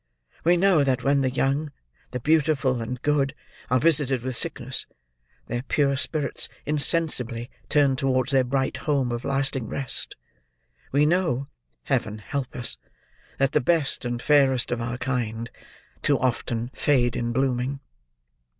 We know that when the young, the beautiful, and good, are visited with sickness, their pure spirits insensibly turn towards their bright home of lasting rest; we know, Heaven help us! that the best and fairest of our kind, too often fade in blooming."